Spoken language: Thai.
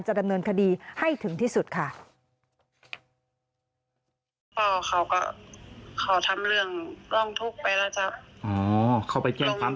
ดำเนินคดีให้ถึงที่สุดค่ะ